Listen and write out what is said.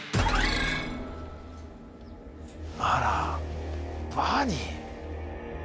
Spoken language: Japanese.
あらワニ。